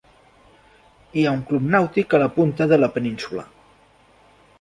Hi ha un club nàutic a la punta de la península.